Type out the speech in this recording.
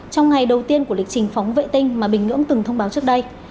trong ngày đầu tiên của lịch trình phóng vệ tinh mà bình nhưỡng từng thông báo trước đây